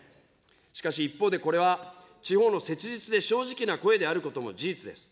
しかし、一方でこれは地方の切実で正直な声であることも事実です。